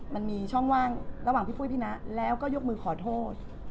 มันมีช่องว่างระหว่างพี่ปุ้ยพี่นะแล้วก็ยกมือขอโทษ